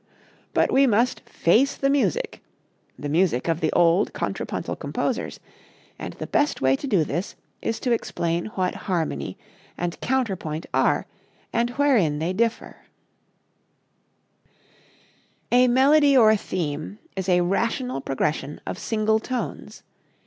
But we must "face the music" the music of the old contrapuntal composers and the best way to do this is to explain what harmony and counterpoint are and wherein they differ. Harmony and Counterpoint. A melody or theme is a rational progression of single tones.